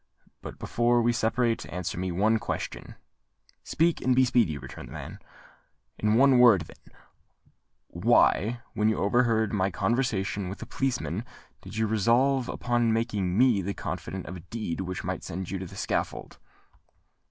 "But, before we separate, answer me one question." "Speak—and be speedy," returned the man. "In one word, then, why, when you overheard my conversation with the policeman, did you resolve upon making me the confidant of a deed which might send you to the scaffold?"